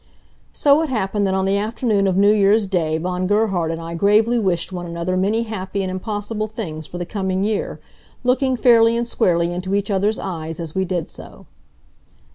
So it happened that on the afternoon of New Year's day Von Gerhard and I gravely wished one another many happy and impossible things for the coming year, looking fairly and squarely into each other's eyes as we did so.